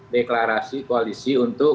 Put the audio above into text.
deklarasi koalisi untuk